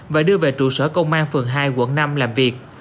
và đưa về trụ sở công an phường hai quận năm làm việc